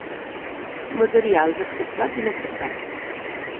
Materials acceptats i no acceptats.